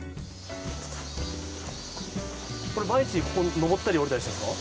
これ毎日ここ上ったり下りたりしてるんですか？